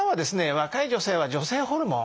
若い女性は女性ホルモン。